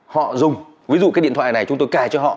họ dùng ví dụ cái điện thoại này chúng tôi cài cho họ